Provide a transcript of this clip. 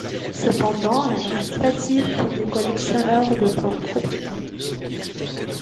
Cependant, elle reste facile pour les collectionneurs de plantes tropicales.